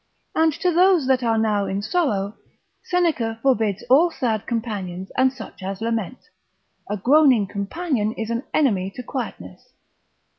And to those that are now in sorrow, Seneca forbids all sad companions, and such as lament; a groaning companion is an enemy to quietness.